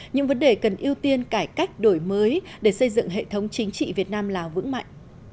những vấn đề cần ưu tiên cải cách đổi mới để xây dựng hệ thống chính trị việt nam lào vững mạnh